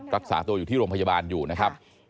รักษาตัวอยู่ที่โรงพยาบาลอยู่นะครับ